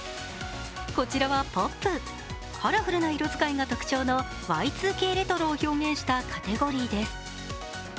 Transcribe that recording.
こちらはポップ、カラフルな色使いが特徴のＹ２Ｋレトロを表現したカテゴリーです。